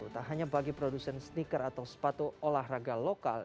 tak hanya bagi produsen sneaker atau sepatu olahraga lokal